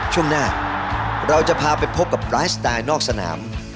ช่วงหน้าเราจะพาไปพบกับไลฟ์สไตล์นอกสนาม